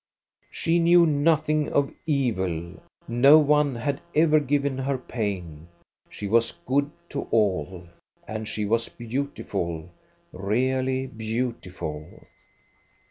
" She knew nothing of evil, no one had ever given her pain, she was good to all. And she was beautiful, really beautiful.